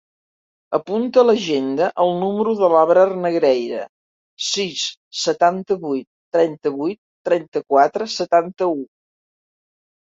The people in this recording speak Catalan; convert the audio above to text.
Apunta a l'agenda el número de l'Abrar Negreira: sis, setanta-vuit, trenta-vuit, trenta-quatre, setanta-u.